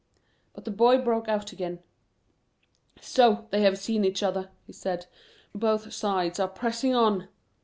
But the boy broke out again. "So; they have seen each other," he said; "both sides are pressing on!"